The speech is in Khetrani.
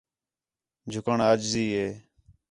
جُھکّݨ عاجزی ہے